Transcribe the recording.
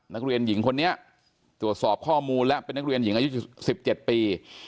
นักเรียนหญิงคนนี้ตรวจสอบข้อมูลและเป็นนักเรียนหญิงอายุ๑๗ปี